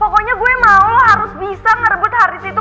pokoknya gue mau lo harus bisa ngerebut harddisk itu